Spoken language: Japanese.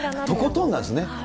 とことんなんですね。